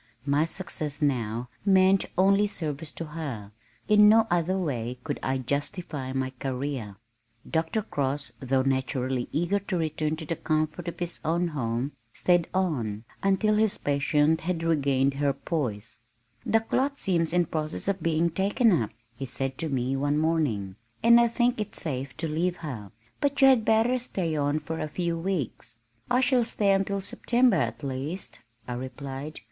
My success now meant only service to her. In no other way could I justify my career. Dr. Cross though naturally eager to return to the comfort of his own home stayed on until his patient had regained her poise. "The clot seems in process of being taken up," he said to me, one morning, "and I think it safe to leave her. But you had better stay on for a few weeks." "I shall stay until September, at least," I replied.